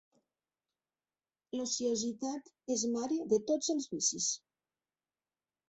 L'ociositat és mare de tots els vicis.